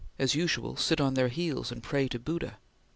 As usual, sit on their heels and pray to Buddha!"